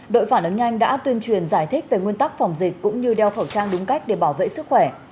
đội phản ứng nhanh đã tuyên truyền giải thích về nguyên tắc phòng dịch cũng như đeo khẩu trang đúng cách để bảo vệ sức khỏe